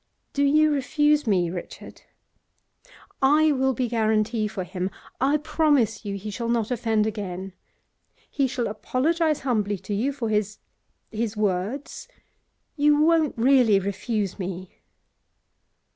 'Do you refuse me, Richard? I will be guarantee for him. I promise you he shall not offend again. He shall apologise humbly to you for his his words. You won't really refuse me?